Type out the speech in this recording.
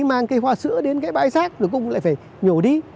mang cây hoa sữa đến cái bãi rác rồi cũng lại phải nhổ đi